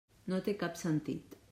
No té cap sentit.